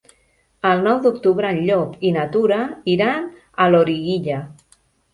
El nou d'octubre en Llop i na Tura iran a Loriguilla.